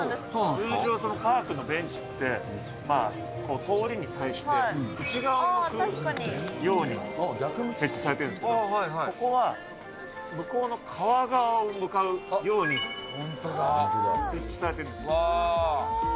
通常、パークのベンチって、通りに対して内側に向くように設置されてるんですけど、ここは向こうの川側を向かうように設置されているんです。